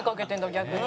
逆に。